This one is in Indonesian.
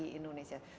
tapi di indonesia